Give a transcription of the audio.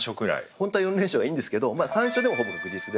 本当は４連勝がいいんですけど３勝でもほぼ確実で。